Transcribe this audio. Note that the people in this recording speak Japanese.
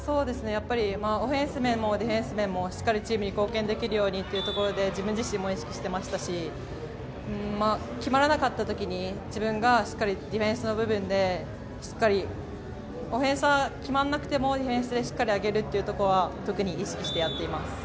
オフェンス面もディフェンス面もしっかりチームに貢献できるようにっていうのは自分自身も意識していましたし、決まらなかったとき、自分がディフェンスの部分でしっかり、オフェンスは決まらなくてもディフェンスでしっかり上げるっていうことは特に意識してやっています。